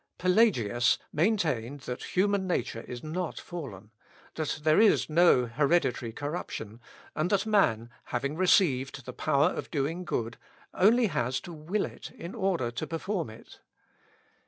Pelagius maintained that human nature is not fallen that there is no hereditary corruption and that man, having received the power of doing good, has only to will it in order to perform it.